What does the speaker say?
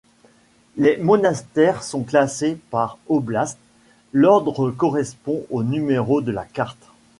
Les monastères sont classés par oblast, l'ordre correspond aux numéros de la carte.